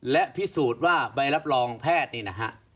และพิสูจน์ว่าใบรับรองแพทย์นี่นะฮะ